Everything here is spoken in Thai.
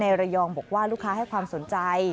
ระยองบอกว่าลูกค้าให้ความสนใจ